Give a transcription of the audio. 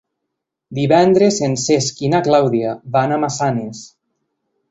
Divendres en Cesc i na Clàudia van a Massanes.